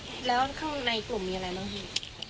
แล้วข้างในกลุ่มมีอะไรบ้างพี่